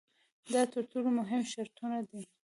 دا تر ټولو مهم شرطونه دي.